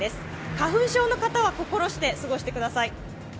花粉症の方は心して過ごしてください。